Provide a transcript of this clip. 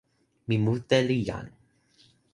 mi mute li jan.